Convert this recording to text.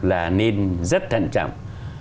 là nên rất thận trọng